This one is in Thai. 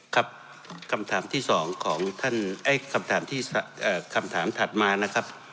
คำถามที่สองของท่านคำถามที่คำถามถัดมานะครับ